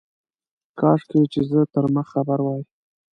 کاشکي چي زه تر مخ خبر وای.